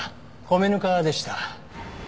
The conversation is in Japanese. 米ぬかでした。